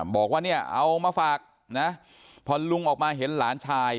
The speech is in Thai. บอกว่าเนี่ยเอามาฝากนะพอลุงออกมาเห็นหลานชาย